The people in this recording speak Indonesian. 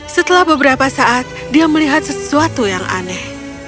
setelah beberapa saat dia melihat sesuatu yang aneh